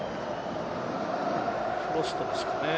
フロストですね。